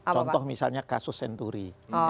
contoh misalnya kasus senturi